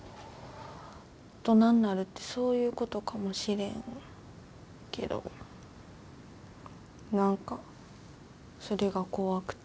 大人になるってそういうことかもしれんけど何かそれが怖くて。